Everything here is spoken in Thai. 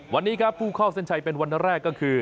วันนี้ครับผู้เข้าเส้นชัยเป็นวันแรกก็คือ